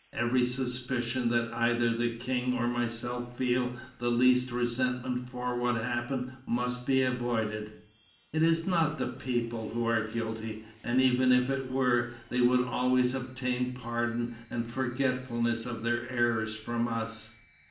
Every suspicion that either the King or myself feel the least resentment for what happened must be avoided; it is not the people who are guilty, and even if it were, they would always obtain pardon and forgetfulness of their errors from us."